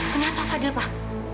kenapa fadil pak